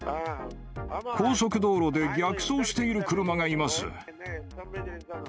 高速道路で逆走している車がいます。